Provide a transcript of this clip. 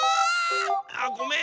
あごめん。